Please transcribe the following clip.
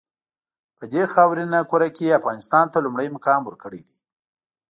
په دې خاورینه کُره کې یې افغانستان ته لومړی مقام ورکړی دی.